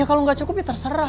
ya kalau nggak cukup ya terserah